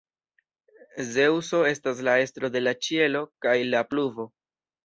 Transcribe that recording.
Zeŭso estas la estro de la ĉielo kaj la pluvo.